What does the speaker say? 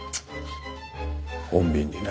穏便にな。